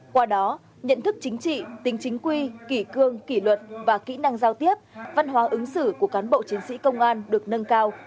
qua đó nhận thức chính trị tính chính quy kỷ cương kỷ luật và kỹ năng giao tiếp văn hóa ứng xử của cán bộ chiến sĩ công an được nâng cao